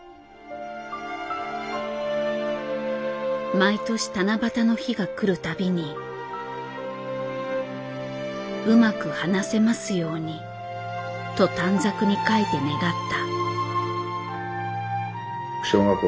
毎年七夕の日が来るたびに「うまく話せますように」と短冊に書いて願った。